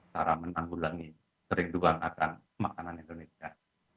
cara menanggulangi kerinduan akan makanan indonesia